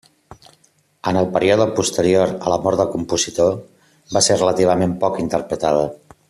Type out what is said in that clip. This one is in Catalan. En el període posterior a la mort del compositor, va ser relativament poc interpretada.